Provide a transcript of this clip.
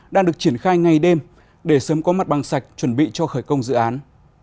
đang được triển khai ngay đêm để sớm có mặt bằng sạch chuẩn bị cho khởi công dự án